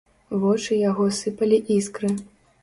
Вочы яго сыпалі іскры.